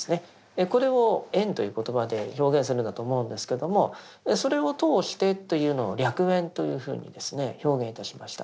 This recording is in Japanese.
これを縁という言葉で表現するんだと思うんですけどもそれを通してというのを歴縁というふうに表現いたしました。